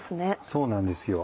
そうなんですよ。